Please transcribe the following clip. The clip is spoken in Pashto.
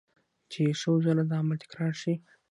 چې يو څو ځله دا عمل تکرار شي